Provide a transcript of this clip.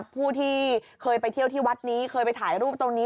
ผู้ที่เคยไปเที่ยวที่วัดนี้เคยไปถ่ายรูปตรงนี้